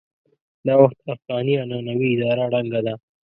دا وخت افغاني عنعنوي اداره ړنګه ده.